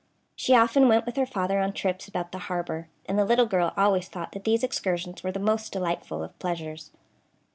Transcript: She often went with her father on trips about the harbor, and the little girl always thought that these excursions were the most delightful of pleasures.